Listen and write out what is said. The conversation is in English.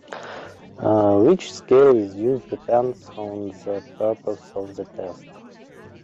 Which scale is used depends on the purpose of the test.